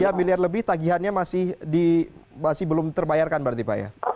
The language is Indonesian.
tiga miliar lebih tagihannya masih belum terbayarkan berarti pak ya